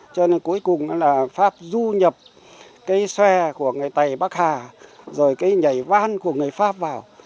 cho nên cuối cùng là pháp du nhập cây xoe của người tài bắc hà rồi cây nhảy van của người pháp vào